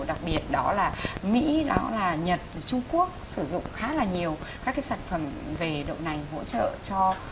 đặc biệt đó là mỹ đó là nhật trung quốc sử dụng khá là nhiều các cái sản phẩm về đậu nành hỗ trợ cho